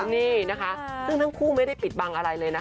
นี่นะคะซึ่งทั้งคู่ไม่ได้ปิดบังอะไรเลยนะคะ